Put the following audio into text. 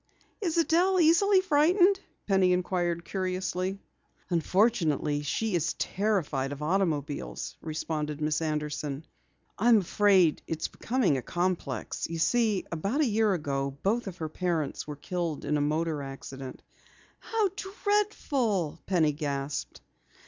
"Is Adelle easily frightened?" Penny inquired curiously. "Unfortunately, she is terrified of automobiles," responded Miss Anderson. "I am afraid it is becoming a complex. You see, about a year ago both of her parents were killed in a motor accident." "How dreadful!" Penny gasped.